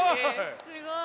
すごい。